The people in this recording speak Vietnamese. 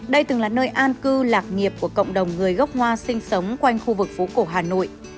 đây từng là nơi an cư lạc nghiệp của cộng đồng người gốc hoa sinh sống quanh khu vực phố cổ hà nội